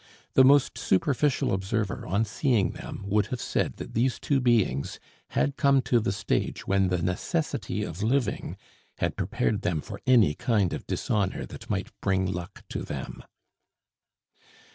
The most superficial observer on seeing them would have said that these two beings had come to the stage when the necessity of living had prepared them for any kind of dishonor that might bring luck to them.